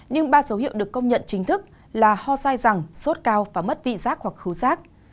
nhưng ba dấu hiệu được công nhận chính thức là ho sai rằng sốt cao và mất vị giác hoặc cứu giác